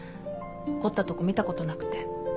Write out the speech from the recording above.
怒ったとこ見たことなくて。